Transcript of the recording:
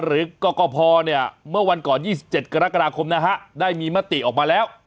กรกภเนี่ยเมื่อวันก่อน๒๗กรกฎาคมนะฮะได้มีมติออกมาแล้ว